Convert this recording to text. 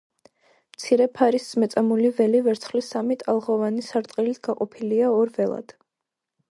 მცირე ფარის მეწამული ველი ვერცხლის სამი ტალღოვანი სარტყელით გაყოფილია ორ ველად.